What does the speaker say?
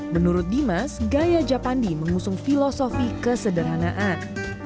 menurut dimas gaya japandi mengusung filosofi kesederhanaan